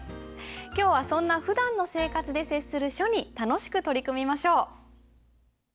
今日はそんなふだんの生活で接する書に楽しく取り組みましょう。